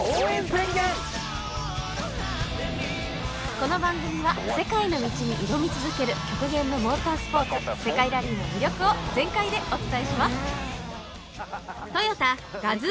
この番組は世界の道に挑み続ける極限のモータースポーツ世界ラリーの魅力を全開でお伝えします。